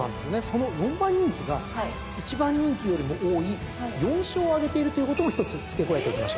その４番人気が１番人気よりも多い４勝を挙げているということも一つ付け加えておきましょう。